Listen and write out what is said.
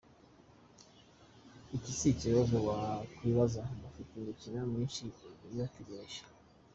Iki sikibazo wakibaza bafite imikino myishi ibategereje.